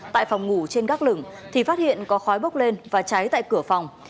tại phòng ngủ trên gác lửng thì phát hiện có khói bốc lên và cháy tại cửa phòng